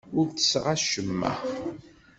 Ur ttesseɣ acemma.